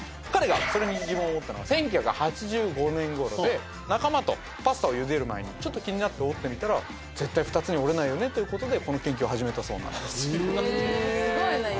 彼がそれに疑問を持ったのは１９８５年頃で仲間とパスタをゆでる前にちょっと気になって折ってみたら絶対２つに折れないということでこの研究を始めたそうなんですへえ